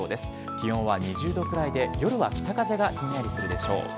気温は２０度くらいで夜は北風がひんやりするでしょう。